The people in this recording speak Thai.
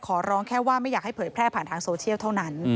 ขอร้องแค่ว่าไม่อยากให้เผยแพร่ผ่านทางโซเชียลเท่านั้น